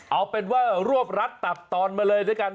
เอาเป็นว่ารวบรัดตัดตอนมาเลยด้วยกัน